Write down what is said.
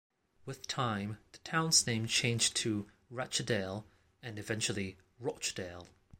With time, the town's name changed to "Rachedale" and eventually "Rochdale".